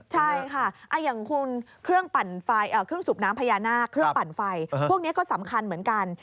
ใช่ค่ะอย่างคุณเครื่องสูบน้ำพญานาคเครื่องปั่นไฟพวกนี้ก็สำคัญเหมือนกัน